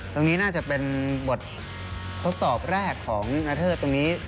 ตรงนี้น่าจะเป็นบททดสอบแรกของนาเทิดตรงนี้